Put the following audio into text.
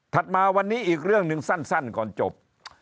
มาวันนี้อีกเรื่องหนึ่งสั้นก่อนจบ